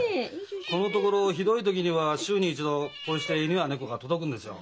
このところひどい時には週に一度こうして犬や猫が届くんですよ。